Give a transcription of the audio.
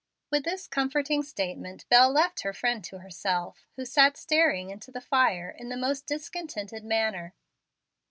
With this comforting statement Bel left her friend to herself, who sat staring into the fire in the most discontented manner.